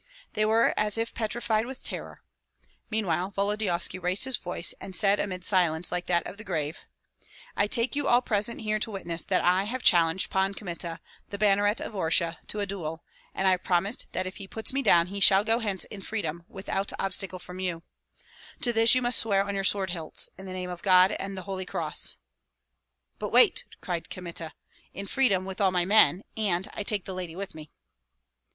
They were as if petrified with terror. Meanwhile Volodyovski raised his voice and said amid silence like that of the grave, "I take you all present here to witness that I have challenged Pan Kmita, the banneret of Orsha, to a duel, and I have promised that if he puts me down he shall go hence in freedom, without obstacle from you; to this you must swear on your sword hilts, in the name of God and the holy cross " "But wait!" cried Kmita, "in freedom with all my men, and I take the lady with me."